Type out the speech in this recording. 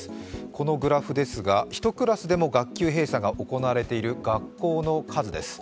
このグラフですが１クラスでも学級閉鎖が行われている学校の数です。